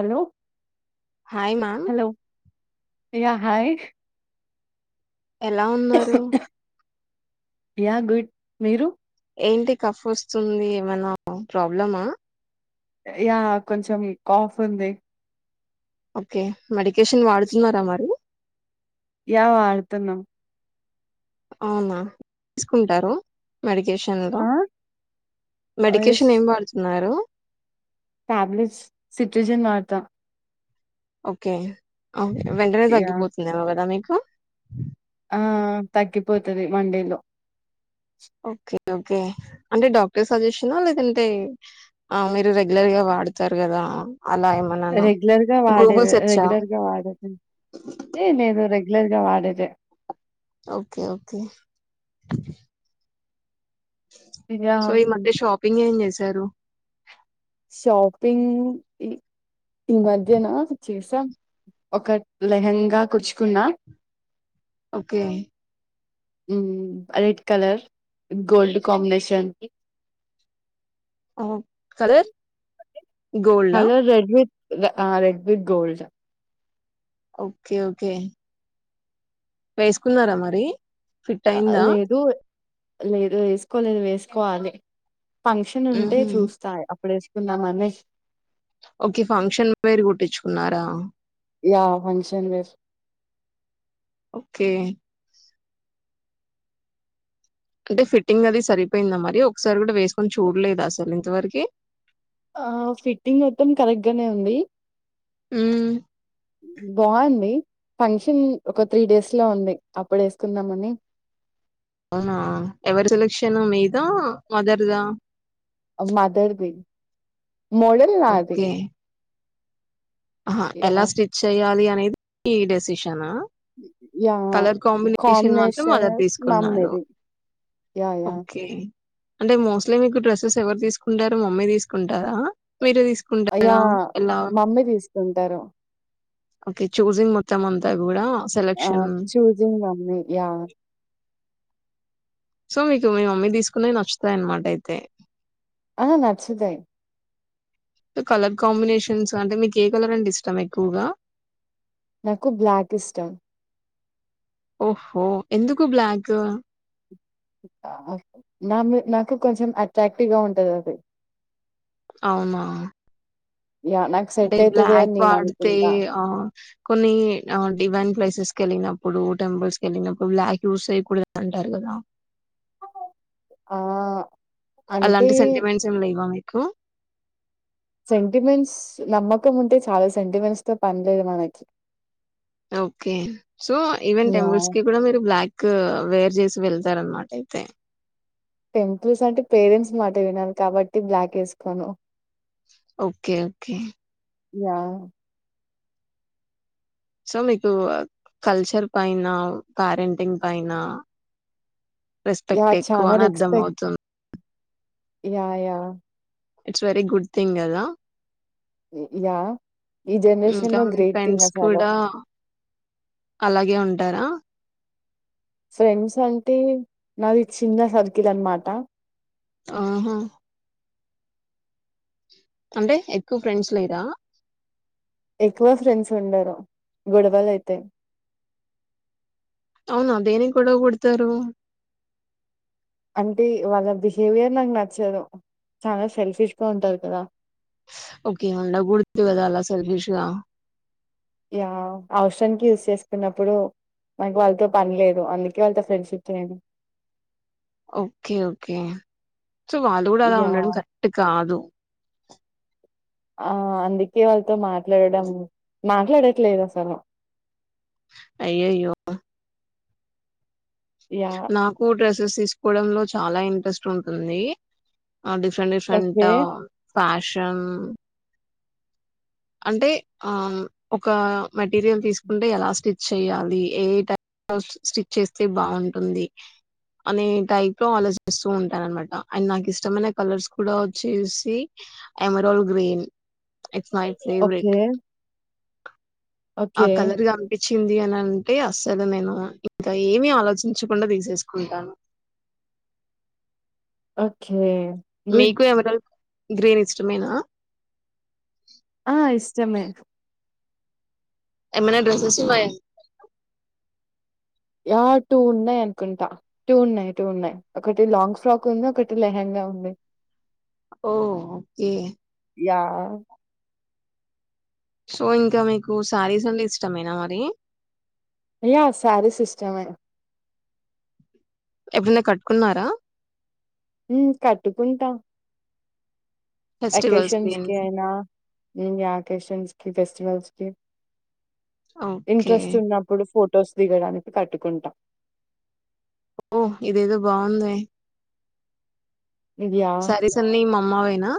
Hello hi మా య hi ఎలా ఉన్నారు యా గుడ్ మీరు ఏంటి కఫ్ వస్తుంది ఏమనా ప్రాబ్లమా యా కొంచెం కాఫ్ ఉంది ఓకే మెడికేషన్ వాడుతున్నారా మరి యా వాడుతున్నం అవునా [inaudible] సుకుంటారు మెడికేషన్ ఆ? మెడికేషన్ ఏం వాడుతున్నారూ ట్యాబ్లెట్స్ సిట్రిజన్ వాడ్తా ఒకే అవ్ వెంటనే తగ్గిపోతుందేమో గదా మీకు ఆఆ తగ్గిపోతది వండేలో ఒకే ఒకే అంటే డాక్టర్ సజెషనా లేదంటే ఆ మీరు రెగ్యులర్ గా వా అడుతారు కదా అలా ఏమన్నా రెగ్యులర్గా గూగుల్ వాడేదే సెర్చా రెగ్యులర్గా వాడేదే ఏ నేను రే రెగ్యులర్గా వాడేదే ఓకే ఓకే యా సో ఈ మధ్య షాపింగ్ ఏం చేశారు షాపింగ్ ఈ మధ్యనా చేసా ఒక లెహంగా కుచుకున్నా ఓకే మ్మ్ రెడ్ కలర్ గోల్డ్ కాంబినేషన్ ఓ కలర్ గోల్డా కలర్ రెడ్విత్ ఆ red with gold okay okay వేసుకున్నారా మరి ఫిట్ ఆ అయిందా లేదు లే వేసుకోలేదు వేసుకోవాలి ఫంక్షన్ ఉంటే ఉహు చూస్తా అప్పుడు చేసుకుందామని ఓకే ఫంక్షన్ వేర్ కుట్టిచుకున్నారా యా ఫంక్షన్ వేర్ ఓకే అంటే ఫిట్టింగ్ అది సరిపోయిందా మరి ఒకసారి కూడా వేసుకొని చూడ్లేదా అసలు ఇంతవరకి ఆ ఫిట్టింగ్ మొత్తం కరెక్ట్గానే ఉంది హ్మ్ బాగుంది ఫంక్షన్ ఒక త్రీ డేస్లో ఉంది అప్పుడు వేసుకుందామని అవునా ఎవరి సెలెక్షన్ మీదా మదర్ దా మదర్ది మొడల్ నాది ఆహ యా ఎలా స్టిచ్ చెయ్యాలి అనేది డేసిషనా యా కలర్ కాంబినేషన్ మాత్రం మదర్ కాంబినేషన్స్ తీసుకున్నారు మమ్మీది యా యా ఓకే అంటే మోస్ట్లీ మీకు డ్రెస్సెస్ ఎవరు తీసుకుంటారు మమ్మీ తీసుకుంటారా మీరే తీసుకుంటారా ఎలా కుంటారు ఓకే చూసింగ్ మొత్తం అంతా కూడా ఆ selection choosing mummy yeah so మీకు మీ మమ్మీ తీసుకున్నవి నచ్చుతాయన్నమాట అయితే ఆ నచ్చుతాయి కలర్ కాంబినేషన్స్ అంటే మీకు ఏ కలర్ అంటే ఇష్టం ఎక్కువగా నాకు బ్లాక్ ఇష్టం ఓహో ఎందుకు బ్లాక్ మమ్వి నాకి కొంచెం అట్రాక్టివ్గా ఉంటాదది అవునా యా నాకు అంటే సెట్ అయితది అని బ్లాక్ నేను వాడ్తే అనుకుంటా ఆ కొన్ని డివైన్ ప్లే స్ కేళ్ళినప్పుడు టెంపుల్స్ కేళ్ళినప్పుడు బ్లాక్ యూస్ చేయకూడదు అంటారు కదా [inaudible] ఆ అంటే అలాంటి సెంటిమెంట్స్ ఏం లేవా మీకు సెంటిమెంట్స్ నమ్మకం ఉంటే చాలు సెంటిమెంట్స్ తో పన్లేదు మనకి okay so even yeah temples కి కూడా మీరు బ్లాక్ వేర్ చే వెళ్తారన్నమాట అయితే టెంపుల్స్ అంటే పేరెంట్స్ మాట వినాల కాబట్టి బ్లాక్ ఏసుకోను ఓకే ఓకే యా సల్ మీకు కల్చర్ పైన ప్యారెంటింగ్ పైన యా రెస్పెక్ట్ ఎక్కువ చాలా అని అర్థం రెస్పెక్ట్ అవుతుం yeah yeah it's very good thing కదా ఇ- యా ఈ జనరేషన్ ఇంకా లో గ్రేట్ థింగ్ ఫ్రెండ్స్ అసలు కూడా అలాగే ఉంటారా ఫ్రెండ్స్ అంటే నాది చిన్న సర్కిల్ అనమాట ఆహా అంటే ఎక్కువ ఫ్రెండ్స్ లేరా ఎక్కువ ఫ్రెండ్స్ ఉండారు గొడవలైతయ్ అవున అదేనికి గొడవపడుతారు అంటే వాళ్ళ బిహేవియర్ నాకు నచ్చదు చాలా సెల్ఫీష్గా ఉంటారు కదా ఓకే అ గుర్తు కద అలా సేర్ఫీష్గా యా అవసరానికి యూజ్ చేసుకున్నప్పుడు నాకు వాళ్ళతో పని లేదు అందుకే వాళ్ళతో ఫ్రెండ్షిప్ చేయను ఓకే ఓకే సో వాళ్ళు కూడా అలా ఉండడం యాహ్! కరెక్ట్ కాదు ఆ అందుకే వాళ్ళతో మాట్లాడడం మాట్లాడట్లేదు అసలు అయ్యయ్యో యాహ్! నాకు డ్రెస్సెస్ తీసుకోవడంలో చాలా ఇంట్రెస్ట్ ఉంటుంది ఆ డిఫరెంట్ డిఫరెంట్ ఓకే. ఫ్యాషన్ అంటే ఆ ఒక మెటీరియల్ తీసుకుంటే ఎలా స్టిచ్ చేయ్యాలి ఏ టై స్ స్టిచ్ చేస్తే బాగుంటుంది అనే టైప్ లో ఆలోచిస్తూ ఉంటానన్నమాట అండ్ నాకు ఇష్టమైన కలర్స్ కూడా వచ్చేసి ఎమరల్ గ్రీన్ ఎట్ ఓకే ఆ ఓకే. కల్లర్ కనిపించింది అనన్ అంటే అస్సలు నేను ఇంకా ఏమి ఆలోచించకుండా తీసేసుకుంటాను ఓకే గుడ్. మీకు ఎవరాల్ గ్రీన్ ఇష్టమేనా ఆ ఇష్టమే ఏమన్నా డ్రెసేస్స్ ఉన్నాయా యా టూ ఉన్నాయ్ అనుకుంటా టూ ఉన్నాయ్ టూ ఉన్నాయ్ ఒకటి లాంగ్ ఫ్రాక్ ఉంది ఒకటి లెహెం గా ఉంది ఓకే యా సో ఇంకా మీకు శారీస్ అంటే ఇష్టమేనా మరి యా సారిస్ ఇస్టమే ఎప్పుడన్న కట్టుకున్నారా మ్ కట్టుకుంటా అక్కేషన్స్ కి ఫెస్టివల్స్‌కి? ఐన యాకేషన్స్కి ఫెస్టివల్స్కి ఓకే ఇంట్రెస్ట్ ఉన్నప్పుడు ఫొటోస్ దిగడానికి కట్టుకుంటా ఓ ఇదేదో బాగుందే యాహ్! సరిసన్నీ మమ్మవేనా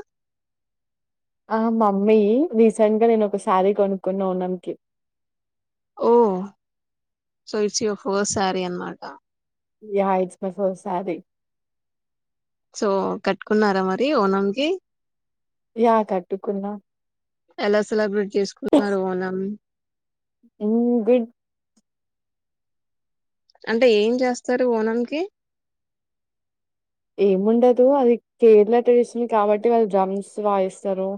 ఆ మమ్మీ రీసెంట్ గా నేను ఒక శారీ కొనుక్కున్నా ఓనంకి ఓ so it's your fort sari అన్నమాటా yeah it's my first sari so కట్టుకున్నారా మరి ఓనంకి యా కట్టుకున్నా ఎలా సెలబ్రేట్ చేసుకున్నారు ఓనం? ఉమ్ గుడ్ అంటే ఏం చేస్తారు ఓనంకి ఏముండదు అది కేరళ ట్రెడిషన్ కాబట్టి వాళ్ళు డ్రమ్స్ వాయిస్తరు.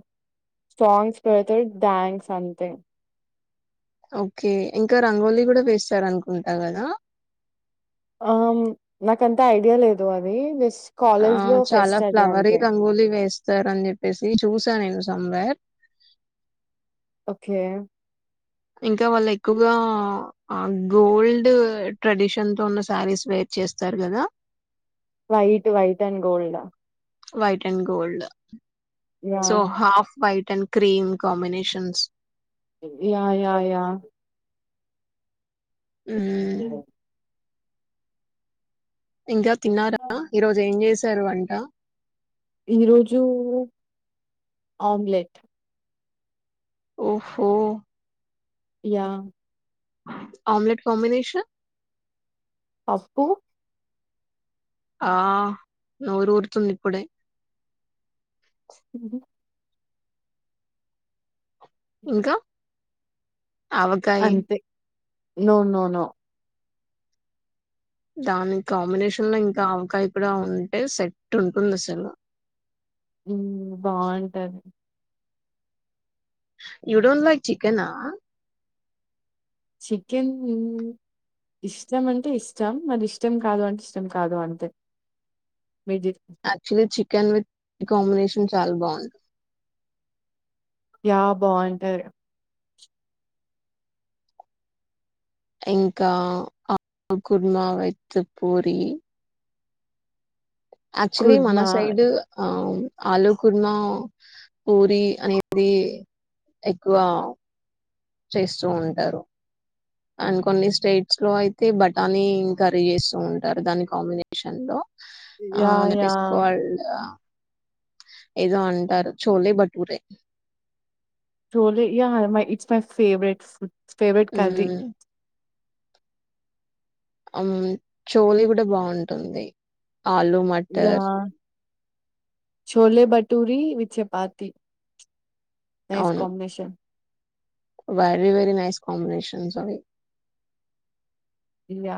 సాంగ్స్ పాడతారు డ్యాన్స్ అంతే ఓకే ఇంకా రంగోలీ కూడా వేస్తార అనుకుంటా కదా. ఆవున్ నాకంతా ఐడియా లేదు అది జస్ట్ ఆ కాలేజ్‌లో చాలా ఫెస్ట్ అది ఫ్లవరీ అంతే. రంగులీ వేస్ సార్ అని చెప్పేసి చూసా నేను సమ్వేర్ ఓకే ఇంకా వాళ్లు ఎక్కువగా ఆ గోల్డ్ ట్రెడిషన్ తో ఉన్న శారీస్ వే చేస్తారు కదా white white and gold white and gold so yeah! Half white టెండ్ cream combinations yeah yeah yeah మ్ ఇంకా తిన్నారా ఈరోజు ఏం చేసారు వంట? ఈరోజు ఆమ్లెట్ ఓహో యా ఆమ్లేట్ కాంబినేషన్ అప్పు ఆ నోరు ఊర్తుంది ఇప్పుడే ఏడి ఇంకా ఆవకాయి అంతే నో నో నో దాని కాంబినేషన్ లో ఇంకా ఆవకాయి కూడా ఉంటే సెట్ ఉంటుంది అసలు ఉ బావుంటది. యూ డోంట్ లైక్ చికెనా? చికెన్ ఇష్టం అంటే ఇష్టం, మరి ఇష్టం కాదు అంటే ఇష్టం కాదు అంతే. [inaudible] మీది యాక్చులీ చికెన్ విత్ కాంబినేషన్ చాలా బావుం యా బావుంటది ఇగ ఇంకా ఆ కుర్మా విత్ పూరి యాక్చులీ మన కుర్మా సైడ్ అ ఆలుకుర్మ పూరి అనేది ఎక్కువ చేస్తూ ఉంటారు. అండ్ కొన్ని స్టేట్స్ లో అయితే బఠానీ ఇం కర్రీ చేస్తూ ఉంటారు దాని కాంబినేషన్ లో. ఆ యాహ్! నేతేస్ యాహ్! స్కోల్ ఆ ఏదో అంటారు చోలే బటూరే చోలే య మై ఇట్స్ మా ఫేవర్ట్ ఫు ఫేవరెట్ కర్రీ ఆమ్ చోలి కూడా బావుంటుంది ఆలూ మటర్ యాహ్! చోలే బటూరి విత్ చపాతి నైస్ అవును combination very very nice combination సామీ యా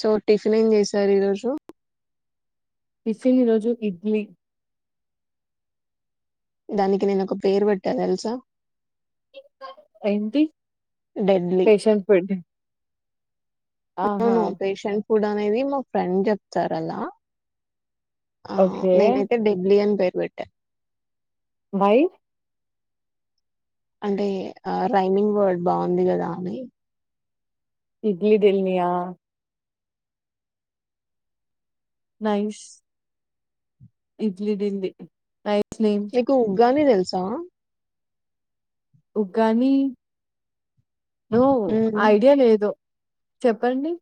సో టిఫిన్ ఏం చేసారు ఈరోజు? టిఫిన్ ఈరోజు ఇడ్లీ. దానికి నేను ఒక పేరు పెట్టను తెలుసా ఏంటి డెడ్లీ ఫేషన్ పెడ్ ఆహా ఎప్పుడు అనేది మా ఫ్రెండ్ చెప్తారు అలా ఆ ఓకే నేనైతే డెబ్లీ అని పేరు పెట్టా వై అంటే రైమింగ్ వర్డ్ బాగుంది కదా అని ఇడ్లీ దిల్నియా నైస్ ఇడ్లీ తింది మీకు ఉగ్గాని తెలుసా ఉగ్గాని నో హ్మ్. ఐడియా లేదు చెప్పండి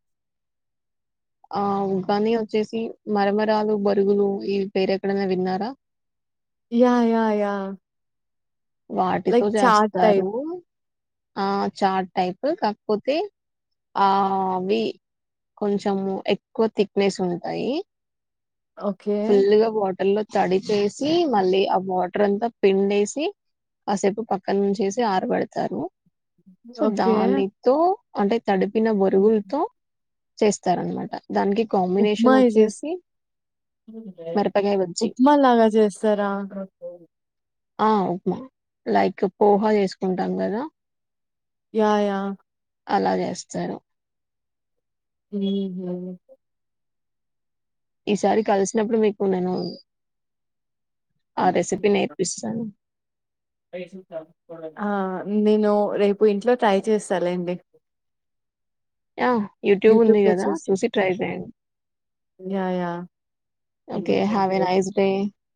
ఆగాని వచ్చేసి మరమరాలు బరుగులు ఈవి పేరెక్కడన్నా విన్నారా యా యా వాటితో లైక్ చాట్ చేస్తారు టైప్ ఆ చాట్ టైప్ కాకపోతే ఆ అవి కొంచెము ఎక్కువ థిక్నెస్ ఉంటాయి ఓకే ఫుల్లుగా వాటర్ లో తడిపేసి మళ్ళీ ఆ వాటర్ అంతా పిండేసి కాసేపు పక్కన నుంచేసి ఆరబెడతారు సో ఓకే దానితో అంటే తడిపిన బరుగులతో చేస్తారనమాట దానికి ఉప్మా కాంబినేషన్ చేస్తా వచ్చేసి మిరపకాయ బజ్జీ. ఉప్మా లాగా చేస్తారా ఆ ఉప్మా లైక్ పోహా చేసుకుంటాంరు కదా యా యా అలా చేస్తారు హు హ్ ఈసారి కలిసినప్పుడు మీకు నేను ఆ రెసిపీ నేర్పిస్తాను ఆ నేను రేపు ఇంట్లో ట్రై చేస్తాలేండి ఆ యూట్యూబ్ ఉంది కదా చూసి ట్రై చేయండి yeah yeah okay have a nice day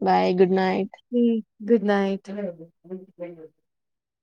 bye good night hmm good night